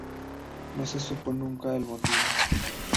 No se supo nunca el motivo.